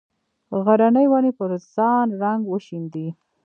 غرنې ونې پر ځان رنګ وشیندي